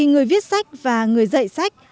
người viết sách và người dạy sách